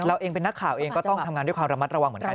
เราเองเป็นนักข่าวเองก็ต้องทำงานด้วยความระมัดระวังเหมือนกัน